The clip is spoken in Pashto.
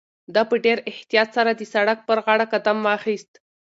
ده په ډېر احتیاط سره د سړک پر غاړه قدم واخیست.